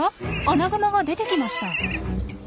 アナグマが出てきました。